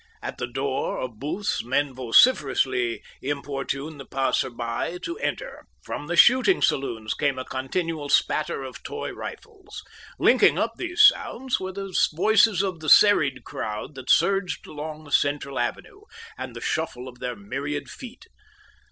At the door of booths men vociferously importuned the passers by to enter. From the shooting saloons came a continual spatter of toy rifles. Linking up these sounds, were the voices of the serried crowd that surged along the central avenue, and the shuffle of their myriad feet.